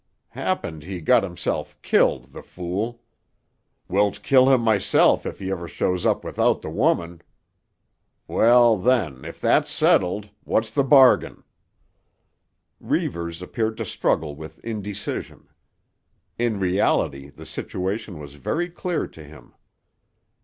Happen he got himself killed, tuh fool. Wilt kill him myself if he ever shows up without tuh woman. Well, then, if that's settled—what's tuh bargain?" Reivers appeared to struggle with indecision. In reality the situation was very clear to him.